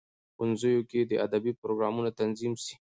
ښوونځیو کې دي ادبي پروګرامونه تنظیم سي.